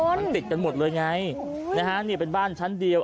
มันติดกันหมดเลยไงนะฮะนี่เป็นบ้านชั้นเดียว